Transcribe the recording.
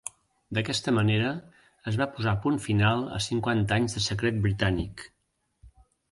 D'aquesta manera es va posar punt final a cinquanta anys de secret britànic.